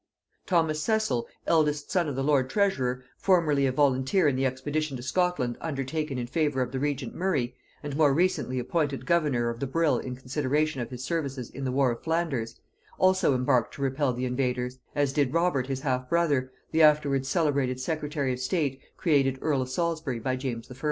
Thomas Cecil, eldest son of the lord treasurer, formerly a volunteer in the expedition to Scotland undertaken in favor of the regent Murray, and more recently appointed governor of the Brill in consideration of his services in the war in Flanders, also embarked to repel the invaders; as did Robert his half brother, the afterwards celebrated secretary of state created earl of Salisbury by James I.